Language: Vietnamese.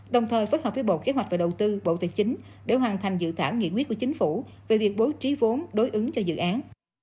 đồng thời phối hợp với bộ kế hoạch và đầu tư bộ tài chính để hoàn thành dự thảo nghị quyết của chính phủ về việc bố trí vốn đối ứng cho dự án